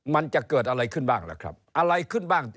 มันจะเกิดอะไรขึ้นบ้างล่ะครับอะไรขึ้นบ้าง